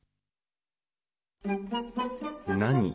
何？